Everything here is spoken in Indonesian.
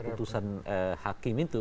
putusan hakim itu